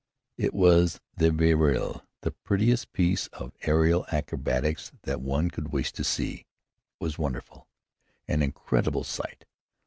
It was the vrille, the prettiest piece of aerial acrobatics that one could wish to see. It was a wonderful, an incredible sight.